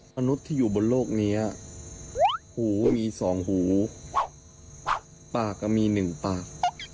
มนุษย์ที่อยู่บนโลกนี้หูมีสองหูปากก็มีหนึ่งปาก